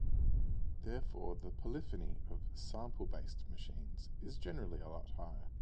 Therefore the polyphony of sample-based machines is generally a lot higher.